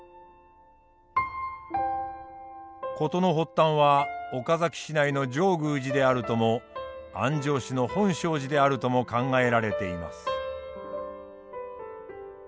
事の発端は岡崎市内の上宮寺であるとも安城市の本證寺であるとも考えられています。